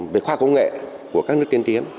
với khoa công nghệ của các nước tiên tiến